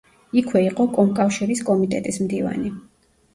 იქვე იყო კომკავშირის კომიტეტის მდივანი.